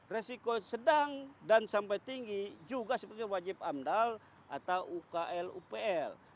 resiko sedang dan sampai tinggi juga sebagai wajib amdal atau ukl upl